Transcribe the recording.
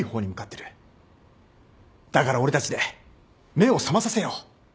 だから俺たちで目を覚まさせよう。